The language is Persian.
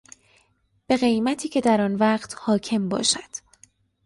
به قیمتی که در آن وقت حاکم باشد